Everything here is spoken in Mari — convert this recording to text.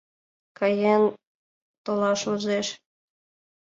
Каен толаш возеш.